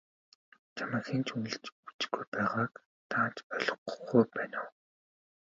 Чамайг хэн ч үнэлж үзэхгүй байгааг даанч ойлгохгүй байна уу?